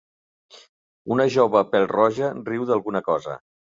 Una jove pèl-roja riu d'alguna cosa.